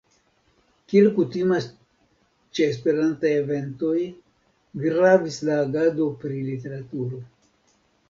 Kiel kutimas ĉe esperantaj eventoj gravis la agado pri literaturo.